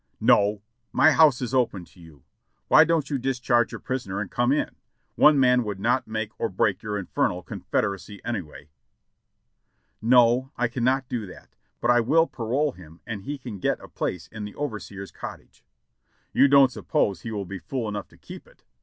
"No, my house is open to you. Why don't you discharge your prisoner and come in? One man would not make or break your infernal Confederacy anyway." "No, I cannot do that, but I will parole him and he can get a place in the overseer's cottage." "You don't suppose he will be fool enough to keep it?"